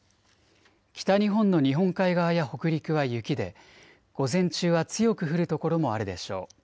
北日本の日本海側や北陸は雪で午前中は強く降る所もあるでしょう。